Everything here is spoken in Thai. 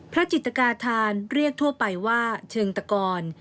จิตกาธานเรียกทั่วไปว่าเชิงตะกร